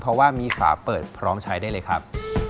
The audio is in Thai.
เพราะว่ามีฝาเปิดพร้อมใช้ได้เลยครับ